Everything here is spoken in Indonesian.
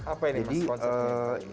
apa ini mas konsepnya